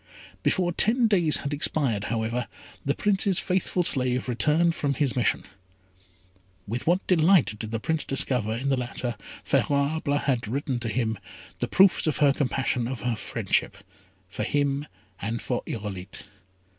Before ten days had expired, however, the Prince's faithful slave returned from his mission. With what delight did the Prince discover in the letter Favourable had written to him, the proofs of her compassion and of her friendship for him and for Irolite.